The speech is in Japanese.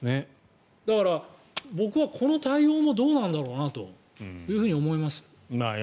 だから、僕はこの対応もどうなんだろうなと思います。